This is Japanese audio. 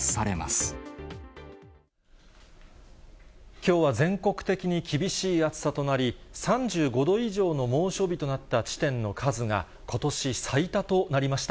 きょうは全国的に厳しい暑さとなり、３５度以上の猛暑日となった地点の数がことし最多となりました。